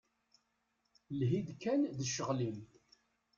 Lhi-d kan d ccɣel-im.